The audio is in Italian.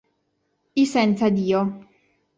I senza Dio